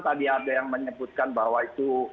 tadi ada yang menyebutkan bahwa itu